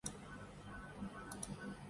اسے کتنی ہی بار محسوس ہوا۔